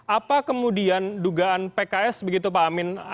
apa kemudian dugaan pks begitu pak amin